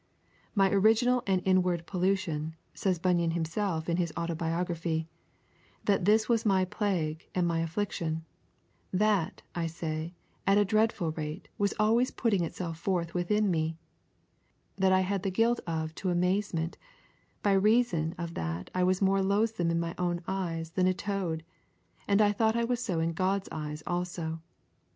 'My original and inward pollution,' says Bunyan himself in his autobiography, 'that, that was my plague and my affliction; that, I say, at a dreadful rate was always putting itself forth within me; that I had the guilt of to amazement; by reason of that I was more loathsome in my own eyes than a toad; and I thought I was so in God's eyes also.